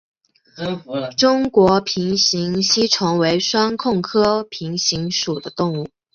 中国平形吸虫为双腔科平形属的动物。